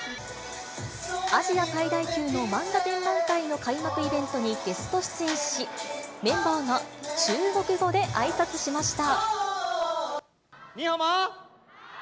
アジア最大級の漫画展覧会の開幕イベントにゲスト出演し、メンバーが中国語であいさつしました。